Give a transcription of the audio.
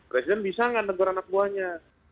presiden bisa nggak negur anak buahnya